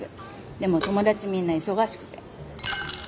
でも友達みんな忙しくて。